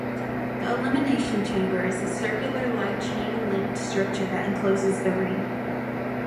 The Elimination Chamber is a circular-like chain-linked structure that encloses the ring.